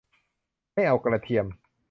ไม่เอากระเทียม